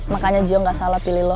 makanya dia gak salah pilih lo